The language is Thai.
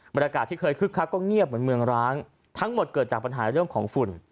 บรรยากาศที่เคยคึกคักก็เงียบเหมือนเมืองร้างทั้งหมดเกิดจากปัญหาเรื่องของฝุ่น